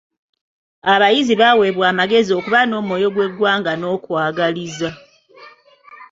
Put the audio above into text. Abayizi baweebwa amagezi okuba n'omwoyo gw'eggwanga n'okwagaliza.